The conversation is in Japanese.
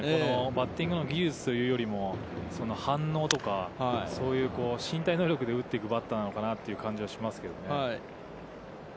バッティングの技術というよりも、反応とか、そういう身体能力で打っていくバッターなのかなという感じはしますけどね。